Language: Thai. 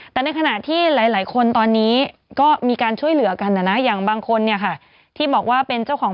แต่ในขณะที่หลายคนตอนนี้ก็มีการช่วยเหลือกันนะนะอย่างบางคนเนี่ยค่ะที่บอกว่าเป็นเจ้าของ